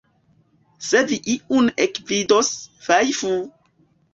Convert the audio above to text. Se vi iun ekvidos, fajfu!